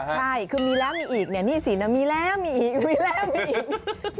ใช่คือมีแล้วมีอีกเนี่ยหนี้สินมีแล้วมีอีกมีแล้วมีอีก